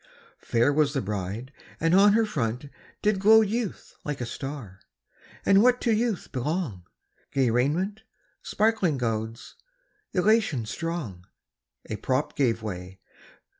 Fair was the bride, and on her front did glow Youth like a star; and what to youth belong, Gay raiment sparkling gauds, elation strong. A prop gave way!